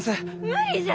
無理じゃ！